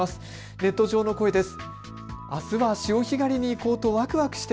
ネット上の声です。